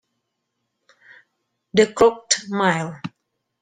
The Crooked Mile.